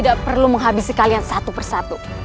tidak perlu menghabisi kalian satu persatu